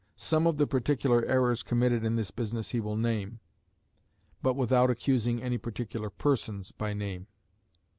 Some of the particular errors committed in this business he will name, but without accusing any particular persons by name.